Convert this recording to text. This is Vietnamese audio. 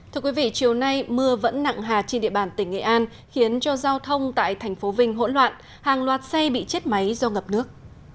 thưa quý vị chiều nay mưa vẫn nặng hạt trên địa bàn tỉnh nghệ an khiến cho giao thông tại thành phố vinh hỗn loạn hàng loạt xe bị chết máy do ngập nước